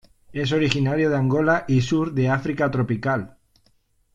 Es originario de Angola y sur de África tropical.